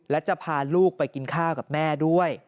และจะพาลูกไปกินข้าวกับแม่ด้วย